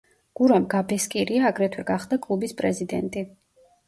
გურამ გაბესკირია აგრეთვე გახდა კლუბის პრეზიდენტი.